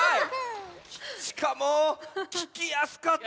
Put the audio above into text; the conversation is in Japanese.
しかもききやすかった。